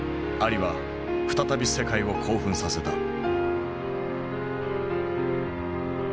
アリは再び世界を興奮させた。